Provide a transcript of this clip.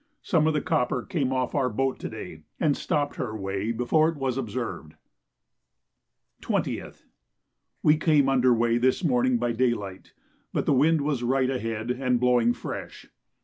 Some of the copper came off our boat to day and stopped her way before it was observed. 20th. We were under weigh this morning by daylight, but the wind was right ahead and blowing fresh.